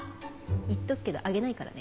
言っとくけどあげないからね。